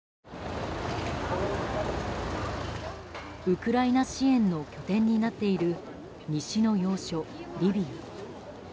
ウクライナ支援の拠点になっている西の要所、リビウ。